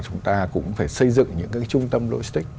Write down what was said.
thì chúng ta cũng phải xây dựng những trung tâm logistic